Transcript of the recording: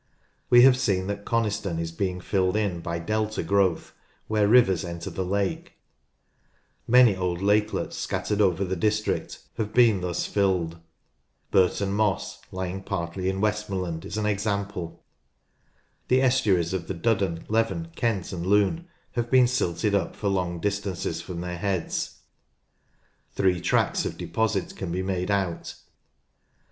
We have seen that Coniston is being filled in by delta growth where rivers enter the lake. M. N. L. 5 66 NORTH LANCASHIRE Many old lakelets scattered over the district have been thus filled. Burton Moss (lying partly in Westmorland) is an example. The estuaries of the Duddon, Leven, Kent, and Lune have been silted up for long distances from their heads. Three tracts of deposit can be made out.